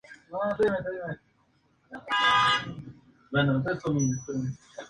Hay diversas leyendas sobre este rey granadino.